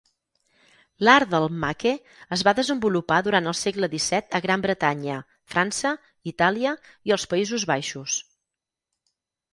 L'art del "maque" es va desenvolupar durant el segle xvii a Gran Bretanya, França, Itàlia i als Països Baixos.